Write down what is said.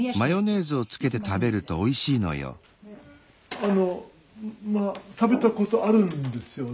あのまあ食べたことあるんですよね